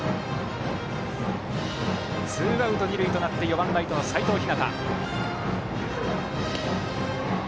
ツーアウト、二塁となって４番、ライトの齋藤陽。